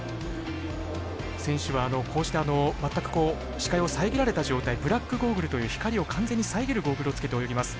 選手はこうした全く視界を遮られた状態ブラックゴーグルという光を完全に遮るゴーグルをつけて泳ぎます。